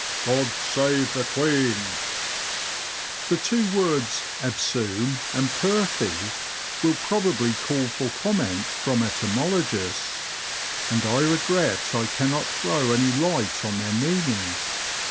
*• God Save the Queen,'' The two words " absume " and purfy " will probably call for comment from etymologists, and I regret I cannot throw any light on their meaning.